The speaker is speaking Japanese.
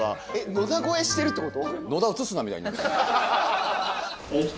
野田超えしてるってこと？